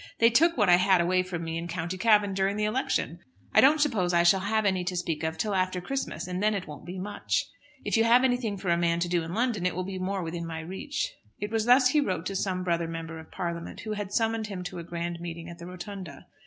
They took what I had away from me in County Cavan during the election. I don't suppose I shall have any to speak of till after Christmas, and then it won't be much. If you have anything for a man to do in London it will be more within my reach." It was thus he wrote to some brother Member of Parliament who had summoned him to a grand meeting at the Rotunda.